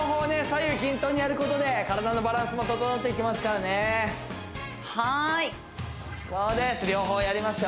左右均等にやることで体のバランスも整っていきますからねはーいそうです